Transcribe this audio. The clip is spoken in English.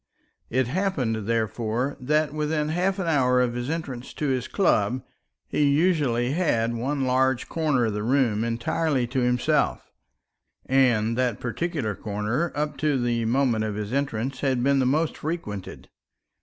It happened, therefore, that within half an hour of his entrance to his club, he usually had one large corner of the room entirely to himself; and that particular corner up to the moment of his entrance had been the most frequented.